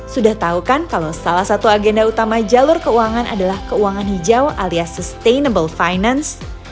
sudah tahu kan kalau salah satu agenda utama jalur keuangan adalah keuangan hijau alias sustainable finance